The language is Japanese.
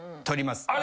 取ります。